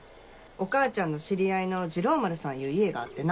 お母ちゃんの知り合いの治郎丸さんいう家があってな